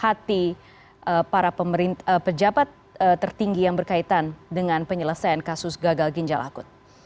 hati para pejabat tertinggi yang berkaitan dengan penyelesaian kasus gagal ginjal akut